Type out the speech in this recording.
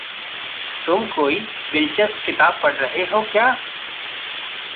तुम कोई दिलचस्प किताब पढ़ रहे हो क्या?